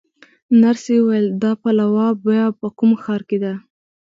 نرسې وویل: دا پلاوا بیا په کوم ښار کې ده؟